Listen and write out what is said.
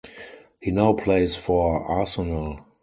He now plays for Arsenal.